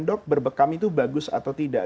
dok berbekam itu bagus atau tidak